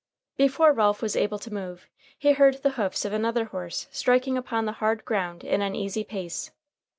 Before Ralph was able to move, he heard the hoofs of another horse striking upon the hard ground in an easy pace.